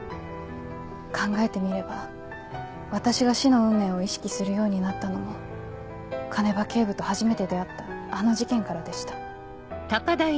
考えてみれば私が死の運命を意識するようになったのも鐘場警部と初めて出会ったあの事件からでした。